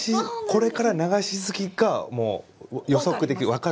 これから流しすきが予測できる分かると。